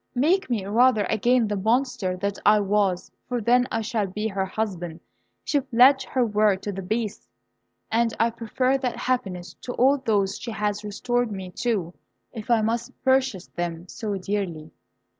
Make me, rather, again the Monster that I was, for then I shall be her husband. She pledged her word to the Beast, and I prefer that happiness to all those she has restored me to, if I must purchase them so dearly!"